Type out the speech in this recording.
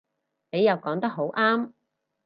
你又講得好啱